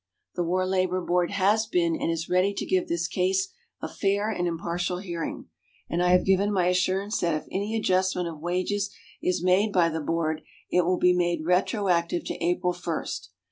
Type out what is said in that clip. The War Labor Board has been and is ready to give this case a fair and impartial hearing. And I have given my assurance that if any adjustment of wages is made by the Board, it will be made retroactive to April first.